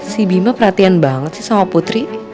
si bima perhatian banget sih sama putri